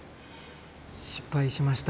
失敗しました。